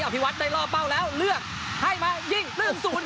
อภิวัตได้ล่อเป้าแล้วเลือกให้มายิง๑๐